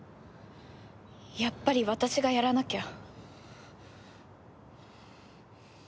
やっぱり私がやらなきゃ。